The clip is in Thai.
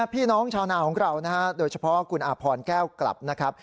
พี่น้องชาวนาของเรานะฮะโดยเฉพาะคุณอาพรแก้วกลับนะครับ